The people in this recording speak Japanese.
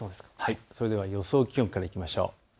それでは予想気温からいきましょう。